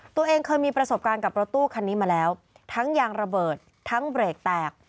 ตัวเองเคยมีประสบการณ์กับรถตู้คันนี้มาแล้วทั้งยางระเบิดทั้งเบรกแตก